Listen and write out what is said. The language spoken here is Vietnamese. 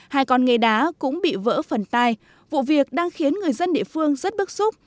hai con nghề đá cũng bị vỡ phần tay vụ việc đang khiến người dân địa phương rất bức xúc